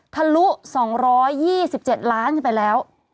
ทะลุ๒๒๗ล้านไปแล้ว